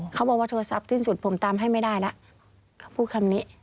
เขาบอกว่าโทรศัพท์สิ้นสุดผมตามให้ไม่ได้แล้วเขาพูดคำนี้